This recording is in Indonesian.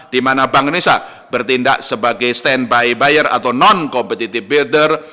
di mana bank indonesia bertindak sebagai standby buyer atau non competitive builder